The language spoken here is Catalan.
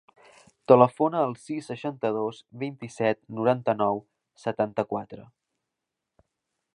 Telefona al sis, seixanta-dos, vint-i-set, noranta-nou, setanta-quatre.